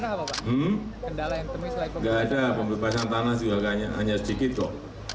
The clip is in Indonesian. tidak ada pembebasan tanah juga hanya sedikit kok